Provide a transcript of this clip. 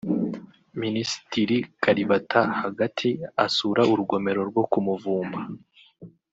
Minisitiri Kalibata (hagati) asura urugomero rwo k’Umuvumba